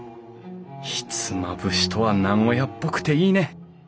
ひつまぶしとは名古屋っぽくていいね！